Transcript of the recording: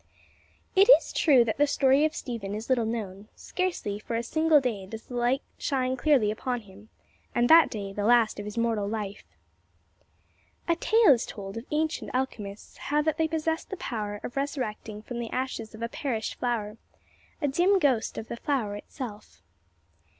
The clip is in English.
It is true that the story of Stephen is little known; scarcely for a single day does the light shine clearly upon him, and that day the last of his mortal life. A tale is told of ancient alchemists, how that they possessed the power of resurrecting from the ashes of a perished flower a dim ghost of the flower itself.